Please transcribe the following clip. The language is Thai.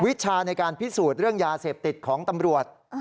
วิชาในการพิสูจน์เรื่องยาเสพติดของตำรวจ